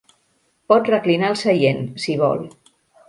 Pot reclinar el seient, si vol.